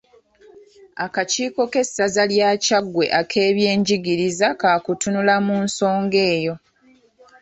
Akakiiko k'essaza lya Kyaggwe ak'ebyenjigiriza kakutunula mu nsonga eyo.